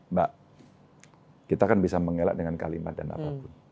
mbak kita kan bisa mengelak dengan kalimat dan apapun